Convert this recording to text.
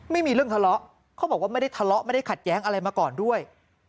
ไม่มีเรื่องทะเลาะเขาบอกว่าไม่ได้ทะเลาะไม่ได้ขัดแย้งอะไรมาก่อนด้วย